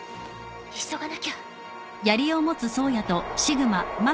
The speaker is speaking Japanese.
急がなきゃ。